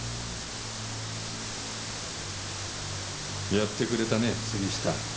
やってくれたね杉下。